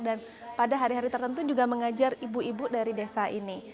dan pada hari hari tertentu juga mengajar ibu ibu dari desa ini